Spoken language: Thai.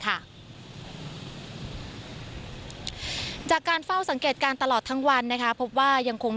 จากการเฝ้าสังเกตการณ์ตลอดทั้งวันนะคะพบว่ายังคง